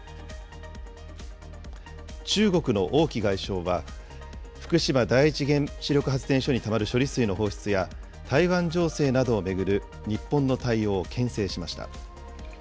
中国の王毅外相は、福島第一原子力発電所にたまる処理水の放出や、台湾情勢などを巡る日本の対応をけん制しました。